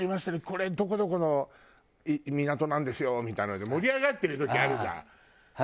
これどこどこの港なんですよみたいなので盛り上がってる時あるじゃん。